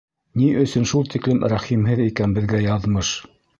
Ни өсөн шул тиклем рәхимһеҙ икән беҙгә яҙмыш?!